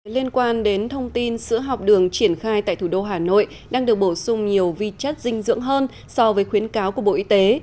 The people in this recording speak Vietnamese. liên quan đến thông tin sữa học đường triển khai tại thủ đô hà nội đang được bổ sung nhiều vi chất dinh dưỡng hơn so với khuyến cáo của bộ y tế